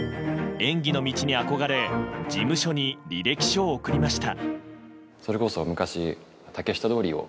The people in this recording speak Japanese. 演技の道に憧れ事務所に履歴書を送りました。